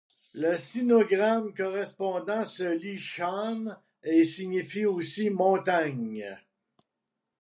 Le sinogramme correspondant se lit shān et signifie aussi montagne.